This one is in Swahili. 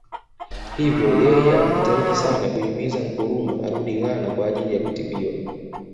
Hivyo yeye alijitahidi sana kuhimiza Nkrumah arudi Ghana kwa ajili ya kutibiwa